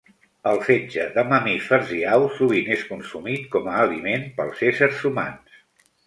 El fetge de mamífers i aus sovint és consumit com a aliment pels éssers humans.